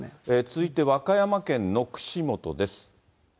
続いて和歌山県の串本です。